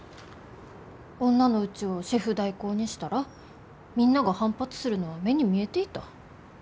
女のうちをシェフ代行にしたらみんなが反発するのは目に見えていた。